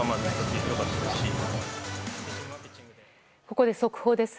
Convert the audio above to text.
ここで速報です。